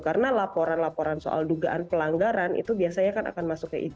karena laporan laporan soal dugaan pelanggaran itu biasanya akan masuk ke ijen